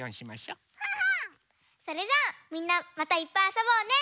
それじゃあみんなまたいっぱいあそぼうね！